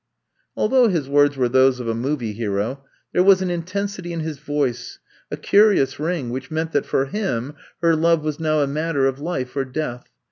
Although his words were those of a movie hero, there was an intensity in his voice, a curious ring which meant that for him her love was now a matter of life or death.